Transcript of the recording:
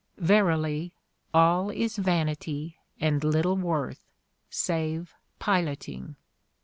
Verily, all is vanity and little worth — save piloting.